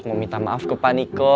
mau minta maaf ke pak niko